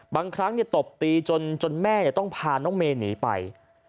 บางครั้งตบตีจนแม่ต้องพาน้องเมย์หนีไป